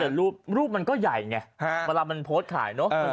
แต่รูปมันก็ใหญ่ไงเวลามันโพสต์ขายเนอะ